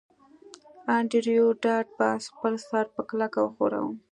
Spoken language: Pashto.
انډریو ډاټ باس خپل سر په کلکه وښوراوه